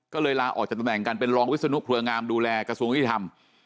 ก็เลยลาออกจากตำแหน่งกันเป็นรองวิศนุเครืองามดูแลกระทรวงยุติธรรม